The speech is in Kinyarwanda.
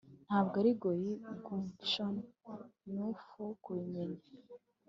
ntabwo ari goy gumption 'nuff kubimenya